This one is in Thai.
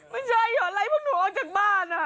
ไม่ใช่เหรอไล่พวกหนูออกจากบ้านอ่ะ